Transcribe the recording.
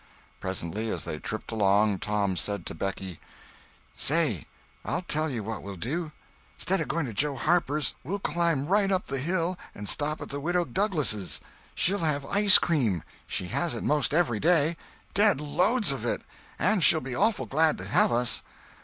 Presently, as they tripped along, Tom said to Becky: "Say—I'll tell you what we'll do. 'Stead of going to Joe Harper's we'll climb right up the hill and stop at the Widow Douglas'. She'll have ice cream! She has it most every day—dead loads of it. And she'll be awful glad to have us."